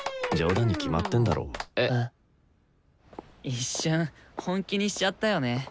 一瞬本気にしちゃったよね。